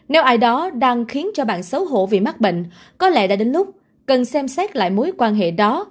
nếu ai đó đang khiến cho bạn xấu hổ vì mắc bệnh có lẽ đã đến lúc cần xem xét lại mối quan hệ đó